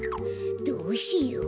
どうしよう？